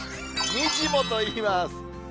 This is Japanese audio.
にじモといいます。